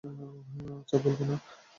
আচ্ছা, বলবো না।